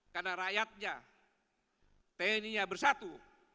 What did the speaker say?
karena rakyatnya tni nya bersatu